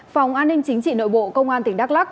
phòng an ninh chính trị nội bộ công an tỉnh đắk lắc